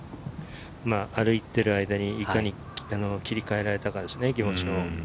歩いている間にいかに切り替えられたからですね、気持ちを。